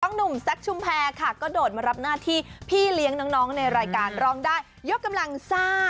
หนุ่มแซคชุมแพรค่ะก็โดดมารับหน้าที่พี่เลี้ยงน้องในรายการร้องได้ยกกำลังซ่า